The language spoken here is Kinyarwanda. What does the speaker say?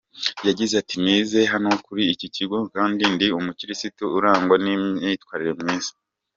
Yagize ati “Nize hano kuri iki kigo kandi ndi umukirisitu urangwa n’imyatwarire myiza.